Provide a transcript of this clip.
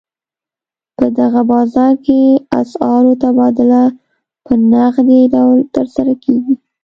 په دغه بازار کې اسعارو تبادله په نغدي ډول ترسره کېږي.